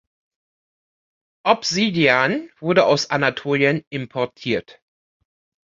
Obsidian wurde aus Anatolien importiert.